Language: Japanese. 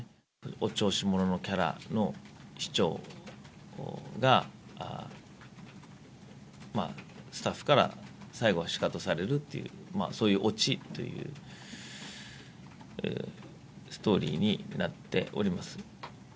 お調子者のキャラの市長が、スタッフから最後はシカトされるっていう、そういうオチという、ストーリーになっております。